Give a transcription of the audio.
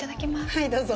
はい、どうぞ。